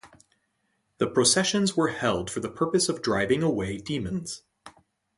The processions were held for the purpose of driving away demons.